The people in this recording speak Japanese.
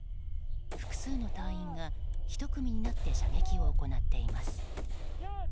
複数の隊員が１組になって射撃を行っています。